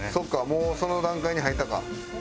もうその段階に入ったか。